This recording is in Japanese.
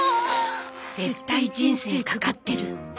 絶対人生かかってる